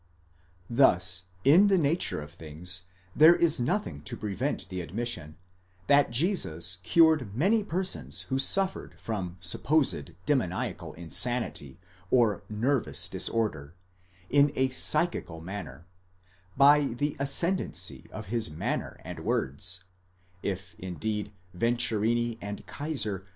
Thus in the nature of things there is nothing to prevent the admission, that Jesus cured many persons who suffered from supposed demoniacal insanity or nervous disorder, in a psychical manner, by the ascendancy of his manner and words (if indeed Venturini®® and Kaiser®!